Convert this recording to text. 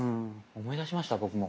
思い出しました僕も。